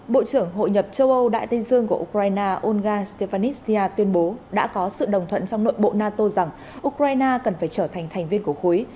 bộ trưởng hội nhập châu âu đại tây dương của ukraine olga stevanesia tuyên bố đã có sự đồng thuận trong nội bộ nato rằng ukraine cần phải trở thành thành viên của khối